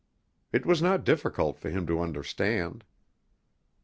It was not difficult for him to understand.